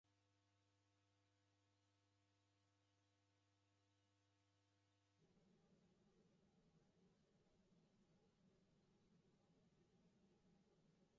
Orekoghe mghenyu wapo kala.